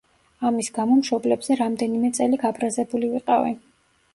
ამის გამო მშობლებზე რამდენიმე წელი გაბრაზებული ვიყავი.